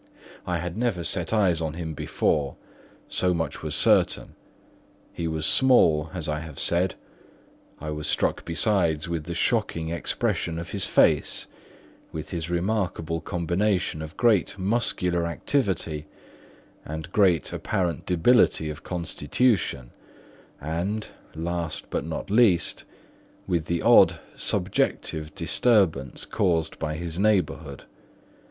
I had never set eyes on him before, so much was certain. He was small, as I have said; I was struck besides with the shocking expression of his face, with his remarkable combination of great muscular activity and great apparent debility of constitution, and—last but not least—with the odd, subjective disturbance caused by his neighbourhood.